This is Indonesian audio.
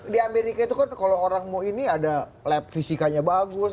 di amerika itu kan kalau orang mau ini ada lab fisikanya bagus